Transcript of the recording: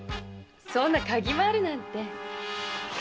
そんな嗅ぎ回るなんて。